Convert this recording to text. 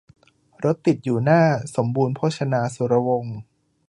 รถติดอยู่หน้าสมบูรณ์โภชนาสุรวงศ์